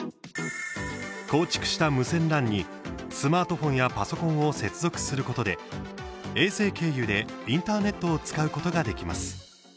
構築した無線ＬＡＮにスマートフォンやパソコンを接続することで衛星経由でインターネットを使うことができます。